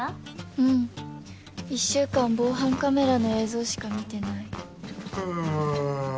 うん１週間防犯カメラの映像しか見てない。